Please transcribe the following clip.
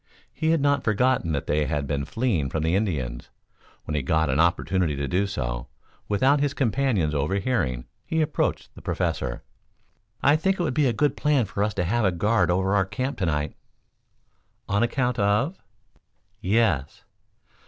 He had not forgotten that they had been fleeing from the Indians. When he got an opportunity to do so, without his companions overhearing, he approached the Professor. "I think it would be a good plan for us to have a guard over our camp to night." "On account of?" "Yes."